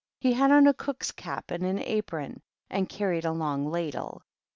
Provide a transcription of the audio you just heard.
He had on a cook's cap and apron, and carried a long ladle.